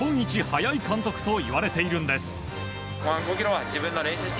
速い監督といわれているんです。